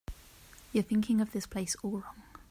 You're thinking of this place all wrong.